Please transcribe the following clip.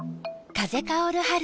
風薫る春。